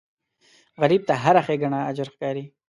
غریب ته هره ښېګڼه اجر ښکاري